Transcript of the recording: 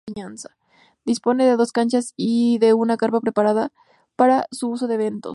Dispone de dos canchas y de una carpa preparada para su uso en eventos.